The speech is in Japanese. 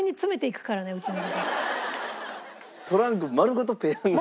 トランク丸ごとペヤング？